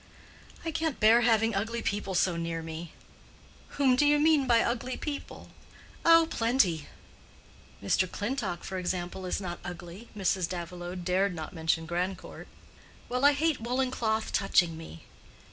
"I can't bear having ugly people so near me." "Whom do you mean by ugly people?" "Oh, plenty." "Mr. Clintock, for example, is not ugly." Mrs. Davilow dared not mention Grandcourt. "Well, I hate woolen cloth touching me."